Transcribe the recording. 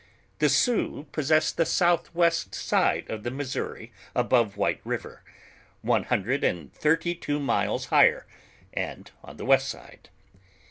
The Sioux possess the south west side of the Missouri above White river, one hundred and thirty two miles higher, and on the west side.